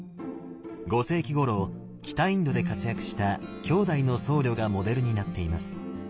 ５世紀ごろ北インドで活躍した兄弟の僧侶がモデルになっています。